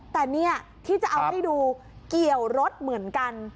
แต่เนี่ยที่จะเอาให้ดูเกี่ยวรถเหมือนกัน